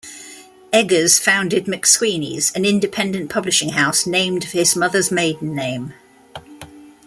Eggers founded McSweeney's, an independent publishing house, named for his mother's maiden name.